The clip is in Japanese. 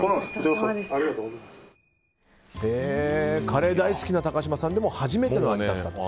カレー大好きな高嶋さんでも初めての味だったと。